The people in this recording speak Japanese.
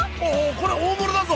これ大物だぞ！